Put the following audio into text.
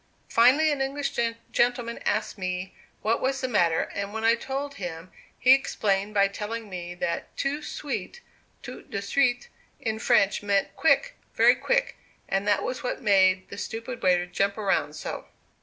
Finally an English gentleman asked me what was the matter, and when I told him, he explained by telling me that too sweet (toute de suite) in French meant quick, very quick, and that was what made the stupid waiter jump around so."